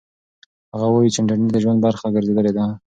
هغه وایي چې انټرنيټ د ژوند برخه ګرځېدلې ده.